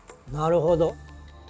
なるほど。